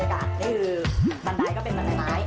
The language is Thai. ก็คือบันไดก็เป็นบันไดไม้